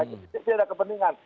itu tidak ada kepentingan